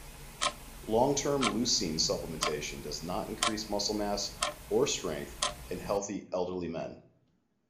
Long-term leucine supplementation does not increase muscle mass or strength in healthy elderly men.